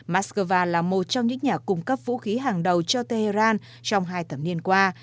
moscow là một trong những nhà cung cấp vũ khí hàng đầu cho tehran trong hai thập niên qua